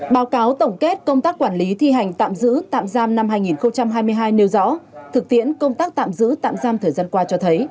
báo cáo tổng kết công tác quản lý thi hành tạm giữ tạm giam năm hai nghìn hai mươi hai nêu rõ thực tiễn công tác tạm giữ tạm giam thời gian qua cho thấy